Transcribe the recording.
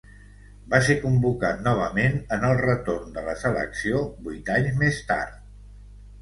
Va ser convocat novament en el retorn de la selecció vuit anys més tard.